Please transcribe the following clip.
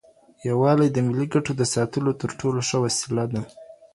يووالی د ملي ګټو د ساتلو تر ټولو ښه وسيله ده.